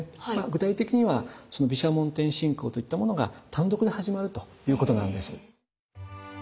具体的には毘沙門天信仰といったものが単独で始まるということなんです。